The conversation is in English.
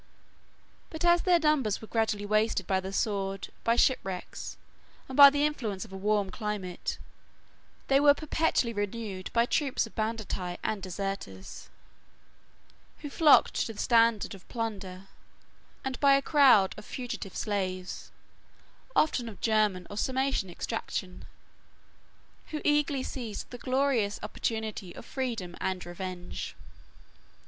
But as their numbers were gradually wasted by the sword, by shipwrecks, and by the influence of a warm climate, they were perpetually renewed by troops of banditti and deserters, who flocked to the standard of plunder, and by a crowd of fugitive slaves, often of German or Sarmatian extraction, who eagerly seized the glorious opportunity of freedom and revenge.